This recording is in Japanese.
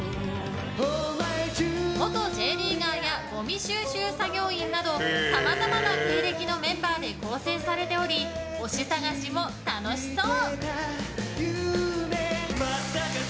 元Ｊリーガーやごみ収集作業員などさまざまな経歴のメンバーで構成されており推し探しも楽しそう。